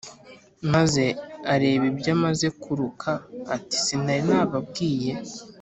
maze areba ibyo amaze kuruka ati "sinari nababwiye